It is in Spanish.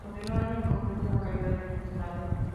Continuó en el Congreso en calidad de senador.